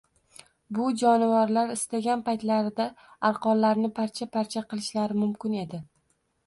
Bu jonivorlar istagan paytlarida arqonlarni parcha-parcha qilishlari mumkin edi.